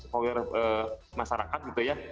power masyarakat gitu ya